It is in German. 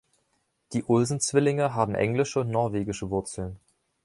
Die Olsen-Zwillinge haben englische und norwegische Wurzeln.